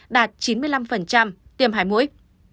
đạt chín mươi năm tiêm hai mũi